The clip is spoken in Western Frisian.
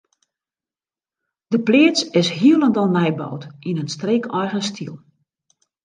De pleats is hielendal nij boud yn in streekeigen styl.